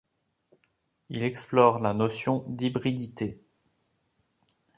Il explore la notion d’hybridité.